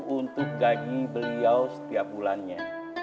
untuk gaji beliau setiap bulannya